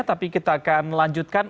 tapi kita akan melanjutkan